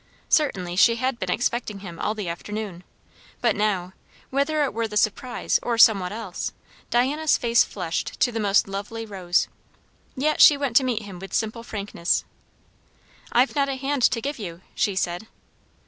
Certainly she had been expecting him all the afternoon; but now, whether it were the surprise or somewhat else, Diana's face flushed to the most lovely rose. Yet she went to meet him with simple frankness. "I've not a hand to give you!" she said.